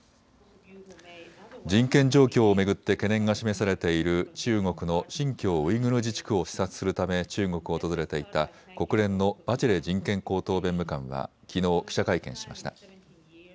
人権状況を巡って懸念が示されている中国の新疆ウイグル自治区を視察するため中国を訪れていた国連のバチェレ人権高等弁務官はきのう記者会見しました。